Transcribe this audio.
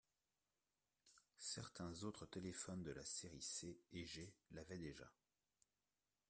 Certains autres téléphones de la série C et G l'avaient déjà.